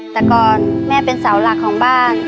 แต่ก่อนแม่เป็นเสาหลักของบ้าน